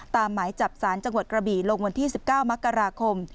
หมายจับสารจังหวัดกระบี่ลงวันที่๑๙มกราคม